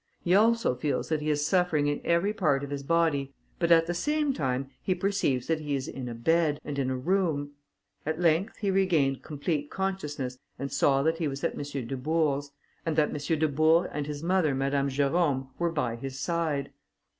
He also feels that he is suffering in every part of his body, but, at the same time, he perceives that he is in a bed, and in a room; at length he regained complete consciousness and saw that he was at M. Dubourg's, and that M. Dubourg and his mother Madame Jerôme were by his side.